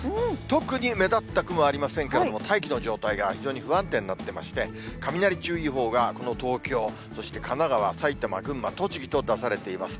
特に目立った雲はありませんけれども、大気の状態が非常に不安定になってまして、雷注意報がこの東京、そして神奈川、埼玉、群馬、栃木と出されています。